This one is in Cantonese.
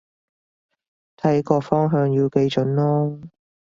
睇個方向要幾準囉